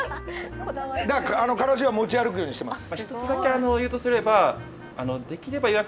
からしは持ち歩くようにしてます。